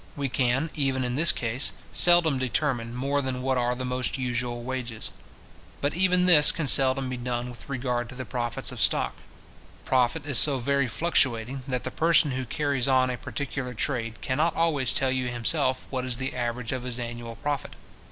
We can, even in this case, seldom determine more than what are the most usual wages. But even this can seldom be done with regard to the profits of stock. Profit is so very fluctuating, that the person who carries on a particular trade, cannot always tell you himself what is the average of his annual profit.